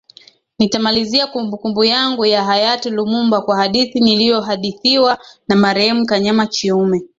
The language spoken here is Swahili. Nitamalizia kumbukumbu yangu ya hayati Lumumba kwa hadithi niliyohadithiwa na marehemu Kanyama Chiume